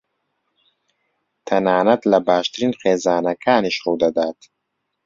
تەنانەت لە باشترین خێزانەکانیش ڕوودەدات.